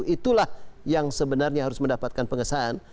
itulah yang sebenarnya harus mendapatkan pengesahan